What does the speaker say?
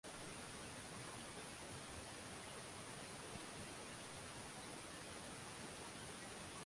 Bila vyombo vya habari kuwatambua hata kidogo